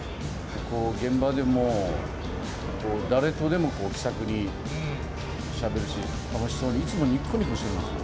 結構、現場でも、誰とでも気さくにしゃべるし、楽しそうに、いつもにこにこしてるんですよ。